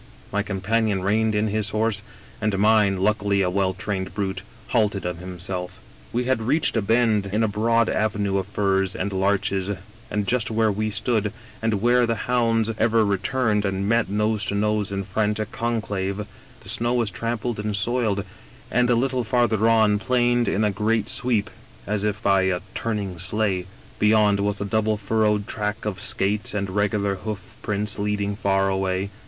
My companion reined in his horse, and mine, luckily a well trained brute, halted of himself. 131 English Mystery Stories *' We had reached a bend in a broad avenue of firs and larches, and just where we stood, and where the hounds ever returned and met nose to nose in frantic conclave^ the snow was trampled and soiled, and a little farther on planed in a great sweep, as if by a turning sleigh. Beyond was a double furrowed track of skaits and regular hoof prints leading far away.